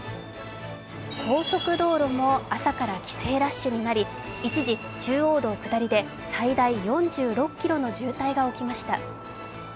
高速道路も朝から帰省ラッシュになり一時、中央道下りで最大４６ｋｍの渋滞が起きました。